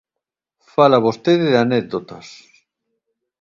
Fala vostede de anécdotas.